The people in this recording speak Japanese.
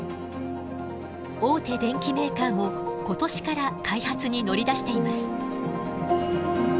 大手電機メーカーも今年から開発に乗り出しています。